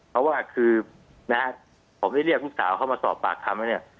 เพราะว่าคือนะผมได้เรียกลูกสาวเข้ามาสอบปากคำไว้เนี่ย